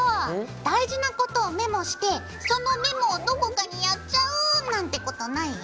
大事なことをメモしてそのメモをどこかにやっちゃうなんてことない？